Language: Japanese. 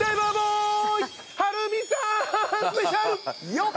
よっ！